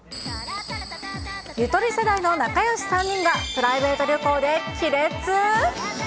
ゆとり世代の仲よし３人が、プライベート旅行で亀裂？